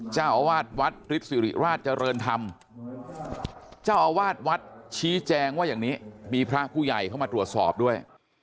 เจ้าอาวาสวัดฤทธิริราชเจริญธรรมเจ้าอาวาสวัดชี้แจงว่าอย่างนี้มีพระผู้ใหญ่เข้ามาตรวจสอบด้วย